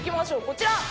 こちら。